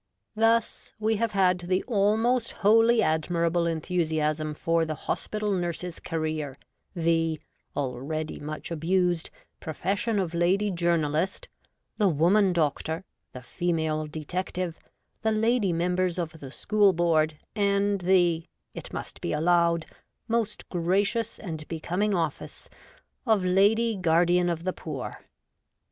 Thus, we have had the almost wholly admirable enthusiasm for the Hospital Nurse's career ; the (already much abused) profession of Lady Journalist; the Woman WOMAN UP TO DATE. 3 Doctor ; the Female Detective ; the Lady Members of the School Board ; and the (it must be allowed) most gracious and becoming office of Lady Guardian of the Poor.